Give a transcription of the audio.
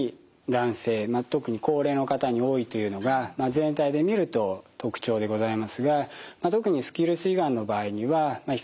特に高齢の方に多いというのが全体で見ると特徴でございますが特にスキルス胃がんの場合には比較的女性